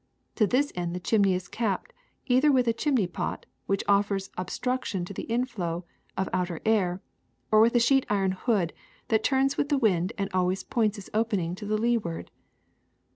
To this end the chimney is capped either with a chimney pot, which offers obstruction to the inflow of outer air, or with a sheet iron hood that turns with the wind and always points its opening to the leeward.